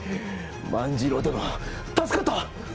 万次郎、助かった！